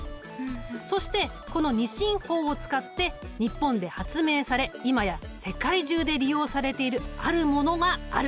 そしてこの２進法を使って日本で発明され今や世界中で利用されているあるものがある。